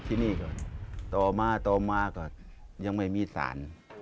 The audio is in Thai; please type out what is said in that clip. ที่นี่ก็ต่อมาต่อมาก็ยังไม่มีสาร